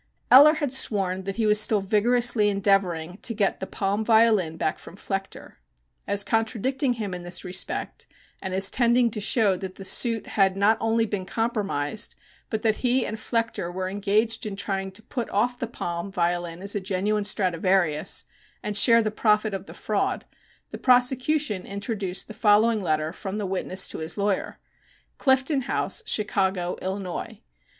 Eller had sworn that he was still vigorously endeavoring to get the Palm violin back from Flechter. As contradicting him in this respect, and as tending to show that the suit had not only been compromised but that he and Flechter were engaged in trying to put off the Palm violin as a genuine Stradivarius and share the profit of the fraud, the prosecution introduced the following letter from the witness to his lawyer: CLIFTON HOUSE, CHICAGO, ILLINOIS.